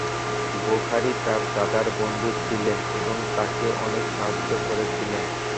বোখারী তার দাদার বন্ধু ছিলেন এবং তাকে অনেক সাহায্য করেছিলেন।